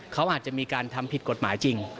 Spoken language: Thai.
เขาอาจจะมีการทำผิดกฎหมายจริง